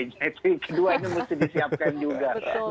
jadi keduanya mesti disiapkan juga